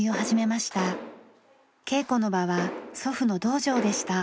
稽古の場は祖父の道場でした。